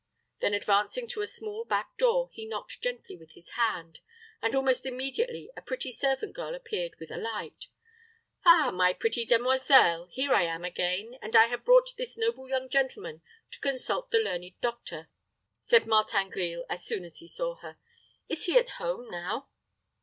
Then advancing to a small back door, he knocked gently with his hand, and almost immediately a pretty servant girl appeared with a light. "Ah, my pretty demoiselle! here I am again, and have brought this noble young gentleman to consult the learned doctor," said Martin Grille, as soon as he saw her. "Is he at home now?"